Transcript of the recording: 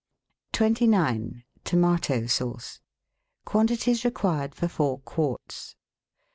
29— TOMATO SAUCE Quantities Required for Four Quarts.